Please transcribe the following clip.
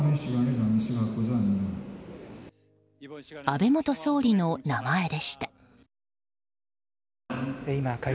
安倍元総理の名前でした。